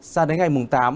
sang đến ngày mùng tám